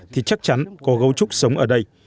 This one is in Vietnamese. thì chắc chắn có gấu trúc sống ở đây